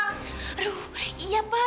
aduh iya pak